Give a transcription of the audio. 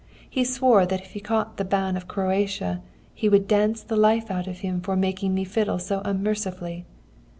He swore that if he caught the Ban of Croatia he would dance the life out of him for making me fiddle so unmercifully.